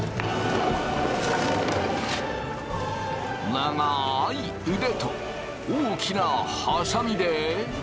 長い腕と大きなハサミで。